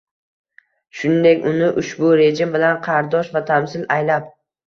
shuningdek, uni ushbu rejim bilan qardosh va tamsil aylab